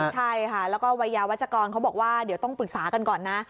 ใช่ค่ะแล้วก็วัยยาวัชกรเขาบอกว่าเดี๋ยวต้องปรึกษากันก่อนนะ